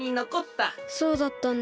そうだったんだ。